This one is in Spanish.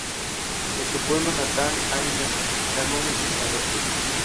En su pueblo natal, Haina, ganó muchos adeptos.